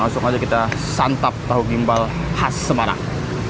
langsung saja kita santap tahu gimbal has semarang